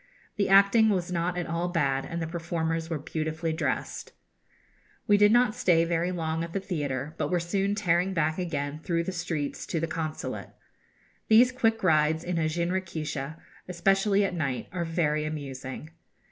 The acting was not at all bad, and the performers were beautifully dressed. We did not stay very long at the theatre, but were soon tearing back again through the streets to the Consulate. These quick rides in a jinrikisha, especially at night, are very amusing.